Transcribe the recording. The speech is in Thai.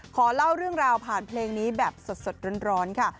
ขอเล่าเรื่องราวผ่านเพลงนี้แบบสดร้อนค่ะ